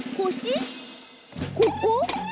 ここ？